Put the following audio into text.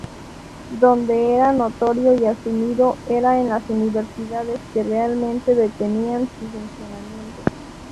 Donde era notorio y asumido era en las universidades que realmente detenían su funcionamiento.